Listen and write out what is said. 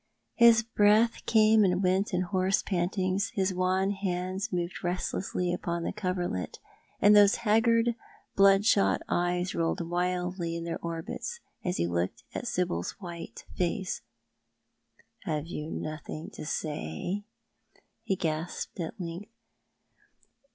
His breath came and went in hoarse pantings, his wan hands moved restlessly upon the coverlet, and those haggard blood shot eyes rolled wildly in their orbits as he looked at Sibyl's white face. " Have you notliing to say ?" he gasped at length.